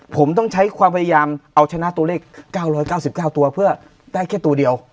ผมต้องใช้ความพยายามเอาชนะตัวเลข๙๙๙ตัวเพื่อได้แค่ตัวเดียว